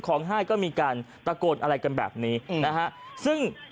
ให้ก็มีการตะโกนอะไรกันแบบนี้นะฮะซึ่ง